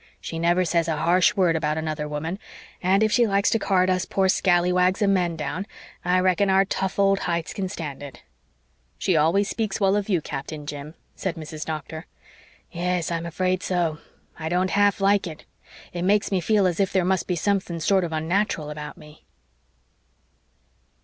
She never says a harsh word about another woman, and if she likes to card us poor scalawags of men down I reckon our tough old hides can stand it." "She always speaks well of you, Captain Jim," said Mrs. Doctor. "Yes, I'm afraid so. I don't half like it. It makes me feel as if there must be something sorter unnateral about me."